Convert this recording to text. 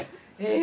え！